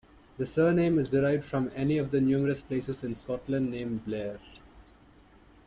The surname is derived from any of the numerous places in Scotland named "Blair".